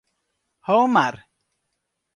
Ho mar.